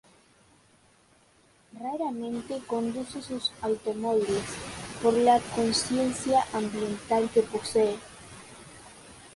Raramente conduce sus automóviles, por la conciencia ambiental que posee.